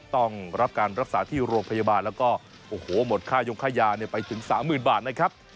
ต้องรับการรักษาที่โรงพยาบาลแล้วก็โอ้โหหมดค่ายงค่ายาไปถึง๓๐๐๐บาทนะครับ